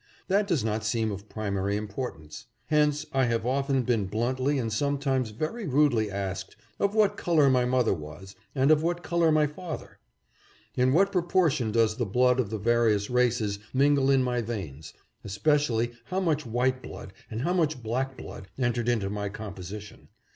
That does not seem of primary importance. Hence I have often been bluntly and sometimes very rudely asked, of what color my mother was, and of what color was my father ? In what proportion does the blood of the various races mingle in my veins, especially how much white blood and how much black blood entered into my composition